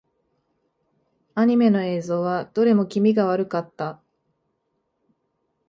アニメの映像はどれも気味が悪かった。